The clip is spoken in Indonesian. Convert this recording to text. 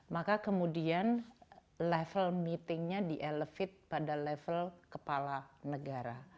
maka kemudian level meetingnya di elevate pada level kepala negara